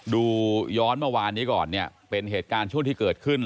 ดูย้อนเมื่อวานนี้ก่อนเนี่ยเป็นเหตุการณ์ช่วงที่เกิดขึ้น